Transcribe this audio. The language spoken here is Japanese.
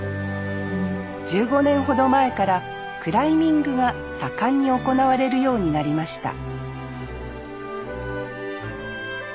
１５年ほど前からクライミングが盛んに行われるようになりました